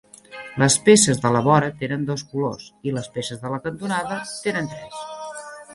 Les peces de la vora tenen dos colors, i les peces de la cantonada tenen tres.